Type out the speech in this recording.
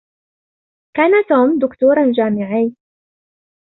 كان توم دكتور جامعي.